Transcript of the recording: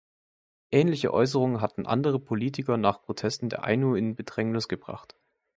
Ähnliche Äußerungen hatten andere Politiker nach Protesten der Ainu in Bedrängnis gebracht.